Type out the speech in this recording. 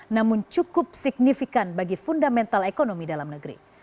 namun cukup signifikan bagi fundamental ekonomi dalam negeri